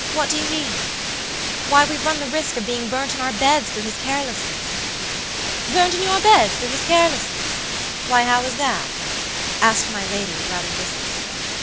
"What do you mean?" "Why, we've run the risk of being burnt in our beds through his carelessness." "Burnt in your beds through his carelessness! Why, how was that?" asked my lady, rather listlessly.